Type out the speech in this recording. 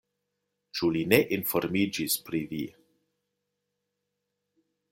Ĉu li ne informiĝis pri vi?